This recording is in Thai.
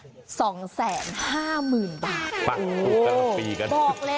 บอกแล้วไง๒๕ตัน